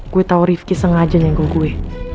gue tau rifki sengaja nenggo gue